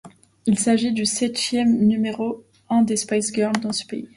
Il s'agit du septième numéro un des Spice Girls dans ce pays.